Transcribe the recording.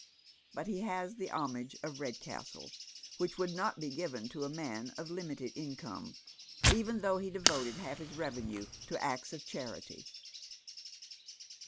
But he has the homage of Kedcastle, which would not be given to a man of limited income, even though he devoted half his revenue to acts of charity."